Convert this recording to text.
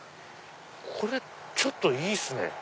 これちょっといいっすね。